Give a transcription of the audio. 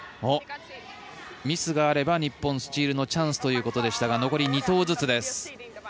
ミスがあれば日本、スチールのチャンスということでしたが残り２投ずつです。